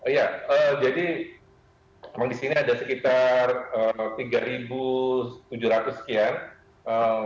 ya jadi memang di sini ada sekitar tiga tujuh ratus sekian